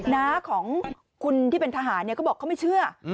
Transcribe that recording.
น้าของคุณที่เป็นทหารเขาบอกเขาไม่เชื่อ